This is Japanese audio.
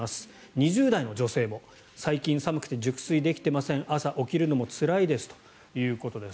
２０代の女性も最近寒くて熟睡できていません朝、起きるのもつらいですということです。